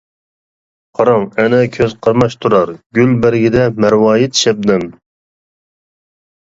قاراڭ ئەنە كۆز قاماشتۇرار، گۈل بەرگىدە مەرۋايىت شەبنەم.